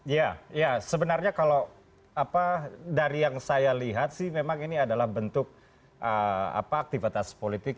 ya ya sebenarnya kalau dari yang saya lihat sih memang ini adalah bentuk aktivitas politik